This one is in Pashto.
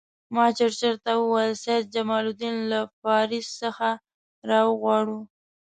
ما چرچل ته وویل سید جمال الدین له پاریس څخه را وغواړو.